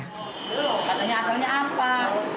katanya asalnya apa